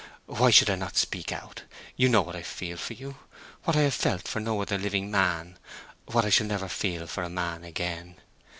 Why should I not speak out? You know what I feel for you—what I have felt for no other living man, what I shall never feel for a man again!